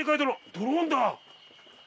ドローンだ。